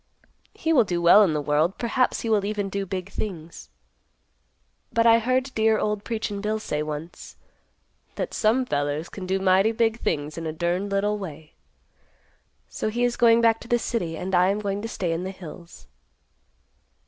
He will do well in the world; perhaps he will even do big things. But I heard dear old Preachin' Bill say once, that 'some fellers can do mighty big things in a durned little way.' So he is going back to the city, and I am going to stay in the hills."